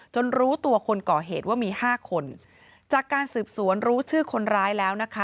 รู้ตัวคนก่อเหตุว่ามีห้าคนจากการสืบสวนรู้ชื่อคนร้ายแล้วนะคะ